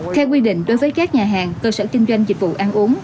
theo quy định đối với các nhà hàng cơ sở kinh doanh dịch vụ ăn uống